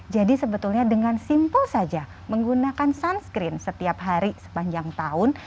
jadi sebetulnya dengan simple saja menggunakan sunscreen setiap hari sepanjang tahun